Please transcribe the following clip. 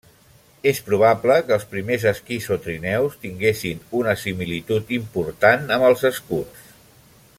És probable que els primers esquís o trineus tinguessin una similitud important amb els escuts.